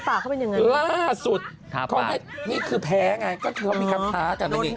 ล่าสุดนี่คือแพ้ไงก็คือเขามีคำพลาดกันไป